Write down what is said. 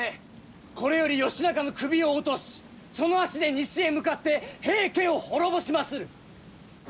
これより義仲の首を落としその足で西へ向かって平家を滅ぼしまする！